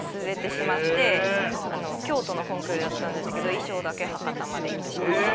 京都のコンクールだったんですけど衣装だけ博多まで行ってしまって。